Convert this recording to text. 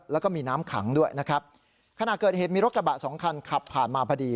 แล้วก็มีน้ำขังด้วยนะครับขณะเกิดเหตุมีรถกระบะสองคันขับผ่านมาพอดี